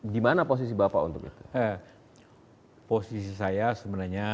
gimana posisi bapak untuk itu